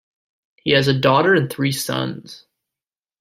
He has a daughter and three sons.